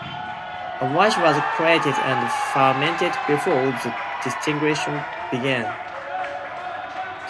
A wash was created and fermented before the distillation began.